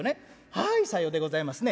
「はいさようでございますね。